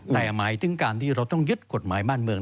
แต่หมายถึงการที่เราต้องยึดกฎหมายบ้านเมือง